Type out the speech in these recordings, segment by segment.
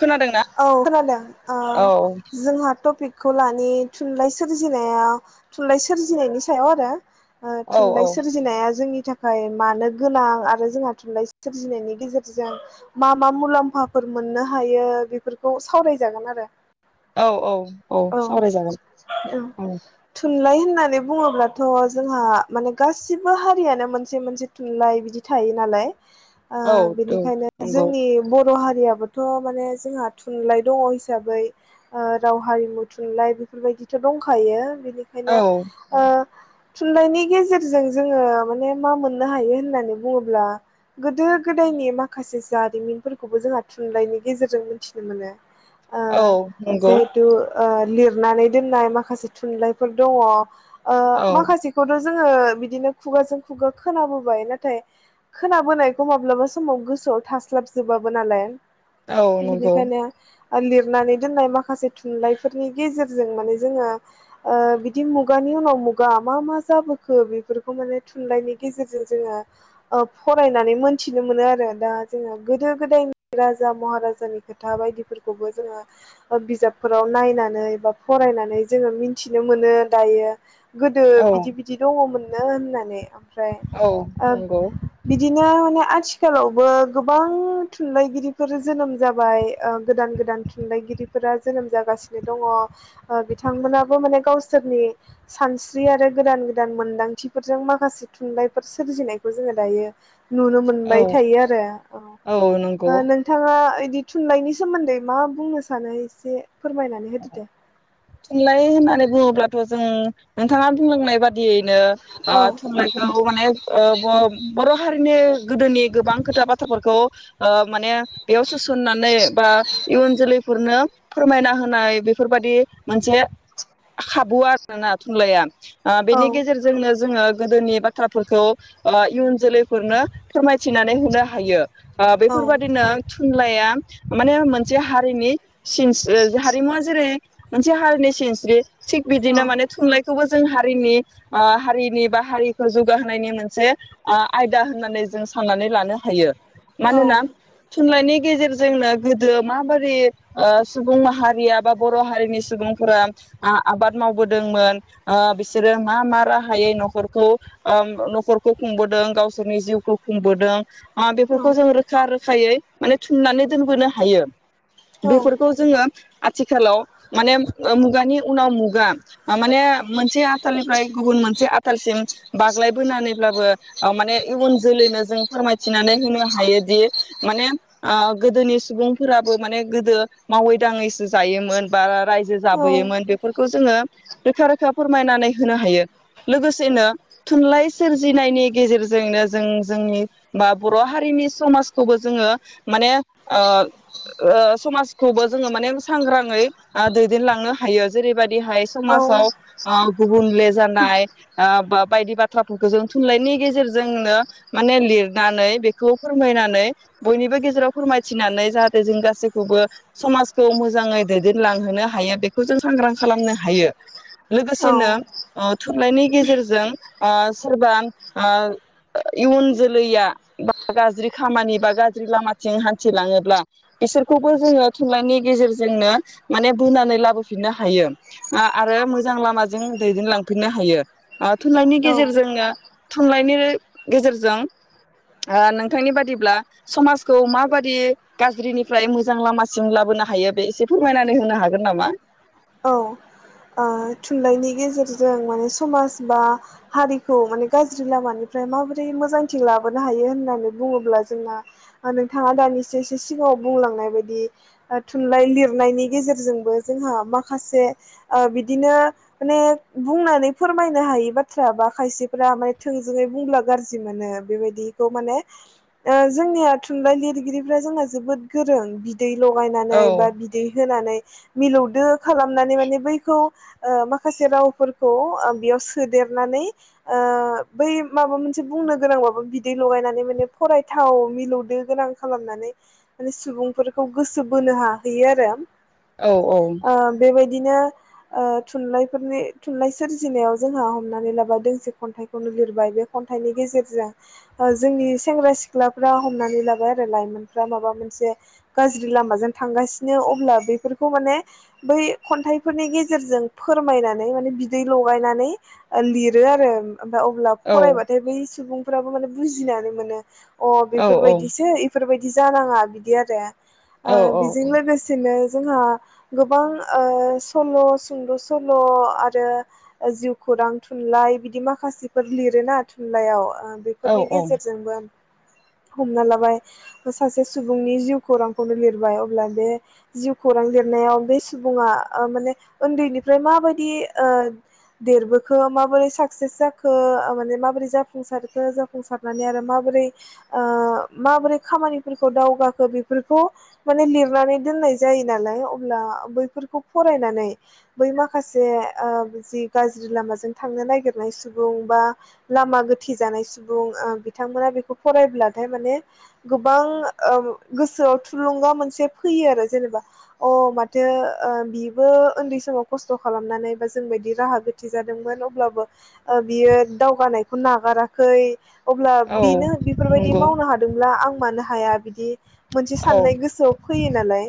खोनादोंना? औ खोनादों ओ औ जोंहा टपिक [unintelligible] लानि थुनलाइ सोरजिनाया थुनलाइ सोरजिनायनि सायाव आरो। ओ औ थुनलाइ औ सोरजिनाया जोंनि थाखाय मानो गोनां आरो जोंहा थुनलाइ सोरजिनायनि गेजेरजों मा मा मुलाम्फाफोर मोननो हायो। बेफोरखौ सावरायजागोन आरो। औ औ औ सावरायजागोन औ। थुनलाइ होननानै बुङोब्लाथ' जोंहा माने गासिबो हारियानो मोनसे मोनसे थुनलाइ बिदि थायो नालाय। ओ औ बेनिखायनो नंगौ जोंनि बर' थ' हारियाबोथ' माने जोंहा थुनलाइ दङ हिसाबै ओ राव हारिमु थुनलाइ बेफोरबायदिथ' दंखायो। औ बेनिखायनो ओ थुनलाइनि गेजेरजों जोङो माने मा मोननो हायो होननानै बुङोब्ला गोदो गोदायनि माखासे जारिमिनफोरखौबो जोंहा थुनलाइनि गेजेरजों जों मिथिनो मोनो। ओ औ नंगौ। जिहेथु ओ लिरनानै दोननाय माखासे थुनलाइफोर दङ। ओ औ माखासेखौथ' जोङो बिदिनो खुगाजों खुगा खोनाबोबाय नाथाय खोनाबोनायखौ माब्लाबा समाव गोसोआव थास्लाबजोबाबो नालाय। औ नंगौ बेनिखायनो लिरनानै दोननाय माखासे थुनलाइफोरनि गेजेरजों माने जोङो ओ बिदि मुगानि उनाव-मुगा मा मा जाबोखो बेफोरखौ माने थुनलाइनि गेजेरजों जोङो ओ फरायनानै मोनथिनो मोनो आरो दा जोङो गोदो गोदायनि राजा महारा नि खोथा बायदिफोरखौबो जोङो बिजाबफोराव नायनानै बा फरायनानै जोङो मिथिनो मोनो दायो। गोदो औ बिदि बिदि दङमोननो होननानै ओमफ्राय औ ओ नंगौ बिदिनो माने आथिख आथिखालावबो गोबां थुनलाइगिरिफोर जोनोम जाबाय ओ गोदान गोदान थुनलाइगिरिफोरा जोनोम जागासिनो दङ बिथांमोनाबो माने गावसोरनि सानस्रि आरो गोदान गोदान मोनदांथिफोरजों माखासे थुनलाइफोर सोरजिनायखौ जोङो दायो नुनो औ मोनबाय थायो आरो औ नंगौ ओ नोंथाङा बि थुनलाइनि सोमोन्दै मा बुंनो सानो एसे फोरमायनानै होदो दे? थुनलाइ होननानै बुङोब्लाथ' जों नोंथाङा बुंलांनाय बादियैनो ओ औ थुनलाइखौ माने ओ बर--' थारैनो गोदोनि गोबां खोथा बाथ्राफोरखौ ओ माने बेयाव सोसननानै बा इउन जोलै फोरनो फोरमायना होनाय बेफोरबायदि मोनसे खाबु आरोना थुनलाइआ औ बेनि गेजेरजोंनो जोङो गोदोनि बाथ्राफोरखौ इयुन जोलैफोरनो फोरमायथिनानै होनो हायो औ बेफोरबादिनों थुनलइआ माने मोनसे हारिनि सिन हारिमुवा जेरै मोनसे हारिनि सिनस्रि थिग बिदिनो माने थुनलाइ खौबो जों हारिनि हारिनि बा हारिखौ जौगाहोनायनि मोनसे आयदा होननानै जों साननानै लानो हायो। औ मानोना थुनलाइनि गेजेरजोंनो माबोरै ओ- सुबुं माहारिया बा बर' हारि नि सुबुंफोरा ओ-आबाद मावबोदोंमोन ओ-बिसोरो मा मा राहायै न'खरखौ ओम न'खरखौ खुंबोदों गावसोरनि जिउखौ खुंबोदों। औ बेफोरखौ जों रोखा रोखायै। माने थुननानै दोनबोनो हायो। बेफोरखौ जोङो। आथिखालाव माने मुगानि उनाव मुगा माने मोनसे आथालनिफ्राय गुबुन मोनसे आथालसिम बाग्लायबोनानैब्लाबो ओ-माने इयुन जोलैनो जों फोरमायथिनानै होनो हायोदि माने ओ-गोदोनि सुबुंफोराबो माने गोदो मावै दाङैसो जायोमोन। बारा जे जाबोयोमोन बेफोरखौ जोङो। रोखा रोखा फोरमायनानै होनो हायो लोगोसेनो थुनलाइ सोरजिनायनि गेजेरजोंनो जों जोंनि बा बर' हारिनि समाजखौबो जोङो माने ओ-समाजखौबो जोङो माने सांग्राङै। दैदेनलांनो हायो जेरैबायदिहाय। समासाव गुबुनले जानाय ओ-बा-बायदि बाथ्राफोरखौ जों थुनलाइनि गेजेरजोंनो माने लिरनानै बेखौ फोरमायनानै बयनिबो गेजेराव फोरमायथिनानै जाहाथे जों गासैखौबो समाजखौ मोजाङै दैदेन लांहोनो हायो बेखौ जों सांग्रां खालामनो हायो। लोगोसेनो थुनलाइनि गेजेरजों ओ-सोरबा ओ-इयुन जोलैया बा गाज्रि खामानि बा गाज्रि लामाथिं हान्थिलाङोब्ला बिसोरखौबो जोङो थुनलाइनि गेजेरजोंनो। माने बोननानै लाबोफिननो हायो ओ-आरो मोजां लामाजों दैदेनलांफिननो हायो। ओ-थुनलाइनि औ गेजेरजोंनो थुनलाइनि गेजेरजों नोंथांनि बादिब्ला समाजखौ माबादि गाज्रिनिफ्राय मोजां लामासिम लाबोनो हायो बे एसे खमायनानै होनो हागोन नामा? औ जों माने समाज बा हारिखौ माने गाज्रि लामानिफ्राय माबोरै मोजांथि लाबोनो हायो होननानै बुङोब्ला जोंना नोंथाङा दानिसो एसे सिगाङाव बुंलांनाय बायदि थुनलाइ लिरनायनि गेजेरजोंबो जोंहा माखासे। बिदिनो माने बुंनानै फोरमायनो हायि बाथ्रा बा खायसेफोरा माने थोंजोङै बुंब्ला गाज्रि मोनो बेबायदिखौ माने जोंनिया थुनलाइ लिरगिरिफ्रा जोंना जोबोद गोरों। बिदै लगायनानै औ बा बिदै होनानै। मिलौदो खालामनानै माने बै औ ओ-माखासे रावफोरखौ बेयाव सोदेरनानै ओ- बै माबा मोनसे बुंनो गोनांबाबो बिदै लगायनानै माने फरायथाव मिलौदो गोनां खालामनानै माने सुबुंफोरखौ गोसो बोनो हाहैयो आरो। औ औ ओ- बेबायद बिदिनो ओ- थुनलाइफोरनि थुनलाइ सोरजिनायाव जोंहा हमनानै लाबाय दोंसे खन्थाइखौनो लिरबाय बे खन्थाइनि ओ- गेजेरजों जोंनि सेंग्रा सिख्लाफ्रा हमनानै लाबाय आरो लाइमोनफ्रा माबा मोनसे गाज्रि लामाजों थांगासिनो अब्ला बेफोरखौ माने बै खन्थाइ। फोरनि गेजेरजों फोरमायनानै माने बिदै लगायनानै लिरो ओ- आरो। ओमफ्राय अब्ला औ फरायबाथाय बै सुबुं फोराबो माने बुजिनानै मोनो। अ औ बेफोरबायदिसो इफोरबायदि बि जानाङा बिदि आरो। औ ओ- बिजों लोगोसेनो। जोंहा गोबां ओ स सल' सल' सुंद' सल' आरो जिउ खौरां थुनलाइ बिदि माखासेफोर लिरोना थुनलाइयाव औ ओ‌बेफोरनि गेजेरजोंबो हमना लाबाय सासे सुबुंनि जिउ खौरांखौनो लिरबाय अब्ला बे जिउ खौरां लिरनायाव बे सुबुङा ओ माने उन्दैनिफ्राय माबायदि ओ देरबोखो माबोरै साक्सेस जाखो माने माबोरै जाफुंसारखो जाफुंसारनानै आरो माबोरै ओ माबोरै खामानिफोरखौ दावगाखो बेफोरखौ माने लिरनानै दोननाय जायो नालाय अब्ला बैफोर खौ फरायनानै बै माखासे ओ जि गाज्रि लामाजों थांनो नागिरनाय सुबुं बा लामा गोथि जानाय सुबुं ओ बिथांमोना बेखौ फरायब्लाथाय माने गोबां ओ गोसोआव थुलुंगा मोनसे फैयो आरो जेनेबा अ माथो ओ बिबो उन्दै समाव खस्थ' खालामनानै बा जोंबायदि राहा गोथि जादोंमोन अब्लाबो ओ बियो दावगानायखौ नागाराखै। अब्ला औ बेनो बेफोरबायदि नंगौ मावनो हादोंब्ला आं मानो हा हाया बिदि मोनसे औ साननाय गोसोआव फैयो नालाय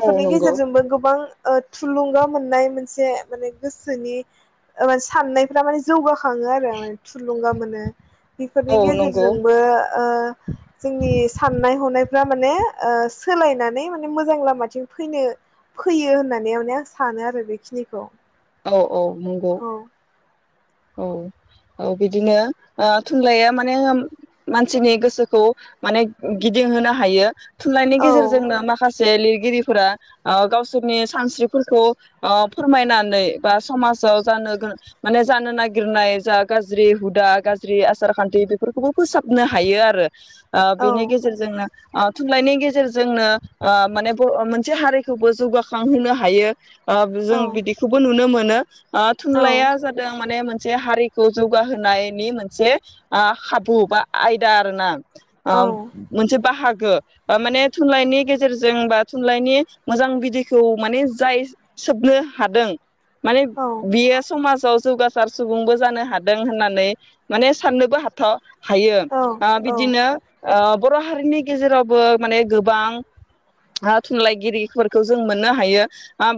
औ नंगौ गेजेरजोंबो गोबां ओ थुलुंगा मोननाय मोनसे माने गोसोनि म साननायफ्रा माने जौग खाङो आरो म थुलुंगा मोनो बेफोरनि औ नंगौ गेजेरजोंबो ओ जोंनि साननाय हनाय आं माने ओ सोलायनानै माने मोजां लामाथिं फैनो फैयो होननानै माने आं सानो आरो बेखिनिखौ। औ औ नंगौ औ औ औ बिदिनो ओ थुनलाइया माने मानसिनि गोसोखौ माने गिदिंहोनो हायो। थुनलाइनायनि औ गेजेरजोंनो माखासे जे लिरगिरिफोरा ओ गावसोरनि सानस्रिफोरखौ ओ फोरमायनानै बा समाजाव जानो माने जानो नागिरनाय जा गाज्रि हुदा गाज्रि आसार खान्थि बेफोरखौबो फोसाबनो हायो आरो। ओ औ बेनि गेजेरजोंनो ओ थुनलाइनि गेजेरजोंनो ओ माने बे मोनसे हारिखौबो जौगाखांहोनो हायो। ओ जों औ बिदिखौबो नुनो मोनो। आ औ थुनलाया जा माने मोनसे हारिखौ जौगाहोनायनि मोनसे ओ खाबु बा आयदा आरोना। आ औ मोनसे बाहाग ओ माने थुनलाइनि गेजेरजों बा थुनलाइनि मोजां बिदैखौ माने जाय सोबनो हादों माने बियो समाज जौगासार सुबुंबो जानो हादों होननानै माने साननोबो हाथाव। हायो औ ओ बिदिनो ओ बर' हारिनि गेजेरावबो माने गोबां थुनलाइगिरिफोरखौ जों मोननो हायो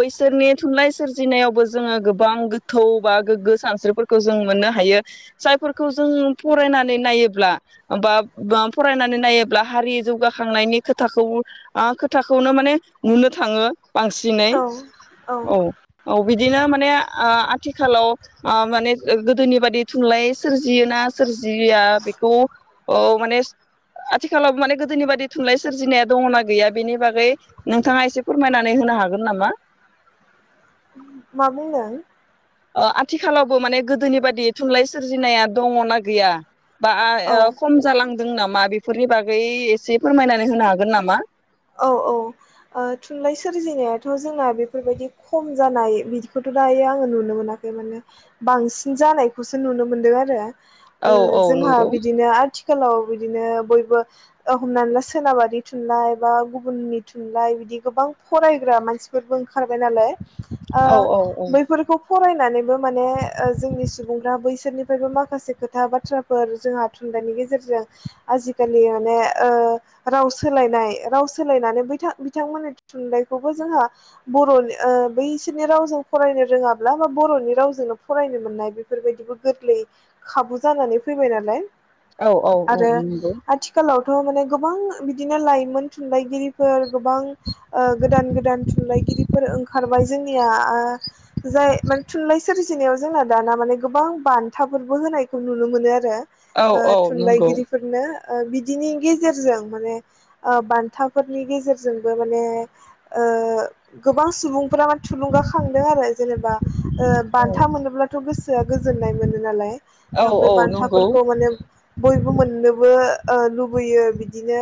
बैसोरनि थुनलाइ सोरजिनायावबो जोङो गोबां गोथौ बा गोग्गो सानस्रिफोरखौ जों मोननो हायो जायफोरखौ जों फरायनानै नायोब्ला बा फरायनानै नायोब्ला हारि जौगाखांनायनि खोथाखौ ओ खोथाखौनो माने नुनो थाङो। बांसिनै औ औ औ बिदिनो माने ओ थिखालाव ओ माने गोदोनि बादि थुनलाइ सोरजियोना सोरजिया बेखौ ओ माने आथिखालाव माने गोदोनि बादि थुनलाइ सोरजिनाया दङनाा गैया बेनि बागै नोंथाङा एसे फोरमायनानै होनो हागोन नामा? मा बुंनो? ओ आथिखालावबो माने गोदोनि बायदि थुनलाइ सोरजिनाया दङना गैया? बा औ ओ खम जालांदों नामा? बेफोरनि बागै एसे फोरमायनानै होनो हागोन नामा? औ औ ओ थुनलाइ सोरजिनायाथ' जोंना बेफोरबायदि खम जानाय बिदिखौथ' दायो आङो नुनो मोनाखै माने बांसिन जानायखौसो नुनो मोनदों आरो। औ ओ औ जोंहा नंगौ बिदिनो आथि खालाव बिदिनो बयबो ओ हमनानै ला सोनाबारि थुनलाइ बा गुबुननि थुनलाइ बिदि गोबां फरायग्रा मानसिफोरबो ओंखारबाय नालाय ओ औ औ औ बैफोरखौ फरायनानैबो माने ओ जोंनि सुबुंफ्रा बैसोरनिफ्रायबो माखासे खोथा बाथ्राफोर जोंहा थुनलाइनि गेजेरजों आजिखालि माने ओ राव सोलायनाय राव सोलायनानैै बिथा-बिथांमोननि थुनलाइखौबो जोंहा बर' ओ बैसोरनि रावजों फरायनो रोङाब्ला बा बर'नि रावजोंनो फरायनो मोननाय बेफोरबायदिबो गोरलै खाबु जानानै फैबाय नालाय। औ औ औ आरो नंगौ आथिखालाव खौ माने गोबां बिदिनो लाइमोन थुनलाइगिरिफोर गोबां ओ गोदान गोदान थुनलाइगिरिफोर ओंखारबाय जोंनिया आ जाय माने थुनलाइ सोरजिनायाव जोंना दाना माने गोबां बान्थाफोरबो होनायखौ नुनो मोनो आरो। ओ औ औ नंगौ थुनलाइगिरिफोरनो ओ बिदिनि गेजेरजों माने ओ बान थाफोरनि गेजेरजोंबो माने ओ गोबां सुबुं फोरा माने थुलुंगाखांदों आरो जेनेबा ओ बान्था औ मोनोब्लाथ' गोसोआ गोजोननाय मोनो नालाय बे औ नंगौ बान्थाफोरखौ माने बयबो मोननोबो लुबैयो बिदिनो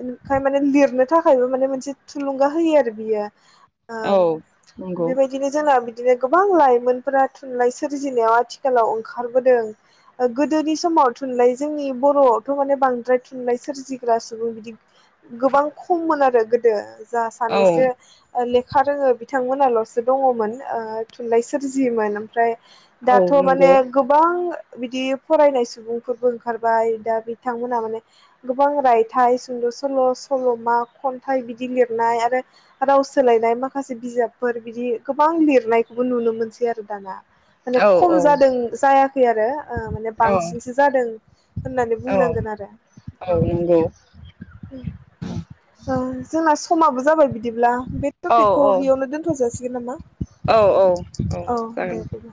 इनिखाय माने लिरनो थाखायबो माने मोनसे थुलुंगा होयो आरो बियो। ओ औ नंगौ बेबायदिनो जोंना बि बिदिनो गोबां लाइमोनफोरा थुनलाइ सोरजिनायाव आथिखालाव ओंखारबोदों। गोदोनि समाव थुनलाइ जोंनि बर'आवथ' माने बांद्राय थुनलाइ सोरजिग्रा सुबुं बिदि गोबां खममोन आरो गोदो। जा औ सानैसो ओ लेख लेखा रोङो बिथांमोनाल'सो दङमोन ओ थुनलाइ सोरजियोमोन। ओमफ्राय औ दाथ' माने नंगौ गोबां बिदि फरायनाय सुबुंफोरबो ओंखारबाय दा बिथांमोनहा माने गोबां रायथाइ सुंद' सल' सल' सल'मा खन्थाइ बिदि लिरनाय आरो राव सोलायनाय माखासे बिजाबफोर बिदि गोबां लिरनायखौबो नुनो मोनसै आरो दाना। माने औ खम औ जादों जायाखै आरो माने औ बांसिनसो जादों होननानै औ बुंनांगोन आरो औ। ओ जोंना स समाबो जाबाय बि बिदिब्ला बे औ टपिकखौ बेयावनो दोनथ' जासिगोन नामा? औ औ औ जागोन दे दे दे।